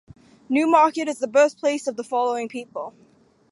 Newmarket is the birthplace of the following people.